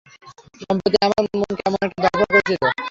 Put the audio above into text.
সম্প্রতি আমার মন কেমন একটা দড়পড় করছিল।